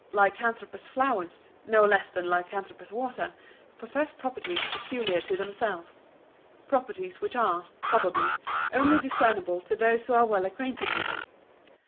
Lycanthropous flowers, no less than lycanthropous water, possess properties peculiar to themselves; properties which are, probably, only discernible to those who are well acquainted with them.